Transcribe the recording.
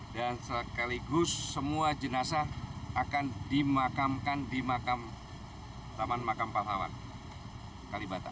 dan sekaligus semua jenazah akan dimakamkan di taman makam pahlawan kalibata